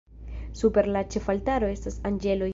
Super la ĉefaltaro estas anĝeloj.